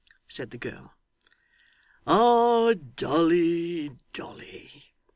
said the girl. 'Ah Dolly, Dolly!